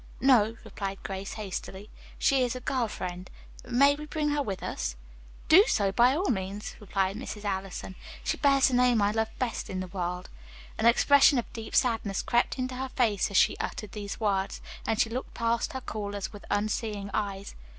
"No," replied Grace hastily, "she is a girl friend. May we bring her with us?" "Do so by all means," rejoined Mrs. Allison. "She bears the name I love best in all the world." An expression of deep sadness crept into her face as she uttered these words, and she looked past her callers with unseeing eyes.